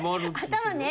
頭ね